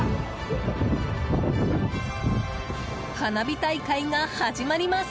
花火大会が始まります。